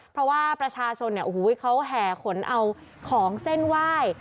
เพราะว่าประชาชนเนี่ยโอ้โหเขาแห่ขนเอาของเส้นไหว้